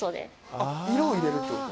あっ色を入れるってこと？